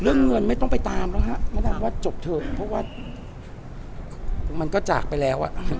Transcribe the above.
เรื่องเงินไม่ต้องไปตามแล้วฮะมะดำว่าจบเถอะเพราะว่ามันก็จากไปแล้วอ่ะ